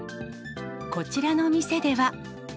こちらの店では。